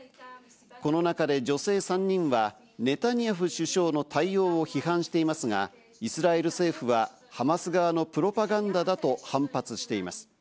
この中で女性３人はネタニヤフ首相の対応を批判していますが、イスラエル政府はハマス側のプロパガンダだと反発しています。